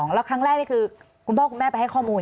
แล้วครั้งแรกนี่คือคุณพ่อคุณแม่ไปให้ข้อมูล